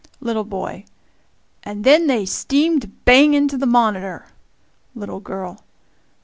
Little boy. "And then they steamed bang into the monitor." Little girl.